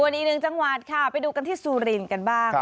อีกหนึ่งจังหวัดค่ะไปดูกันที่สุรินทร์กันบ้าง